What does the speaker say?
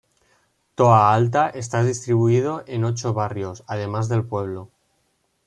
Toa Alta esta distribuido en ocho barrios, además del pueblo.